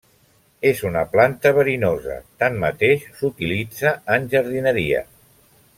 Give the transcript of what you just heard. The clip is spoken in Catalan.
És una planta verinosa, tanmateix s'utilitza en jardineria.